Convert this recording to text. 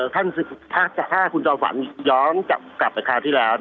ท่านศิษย์ภาคจะฆ่าคุณจอมขวัญย้อนกลับไปคราวที่แล้ว